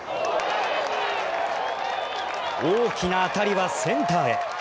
大きな当たりはセンターへ。